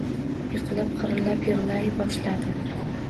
Yiqilib, xirqirab yig’lay boshladi…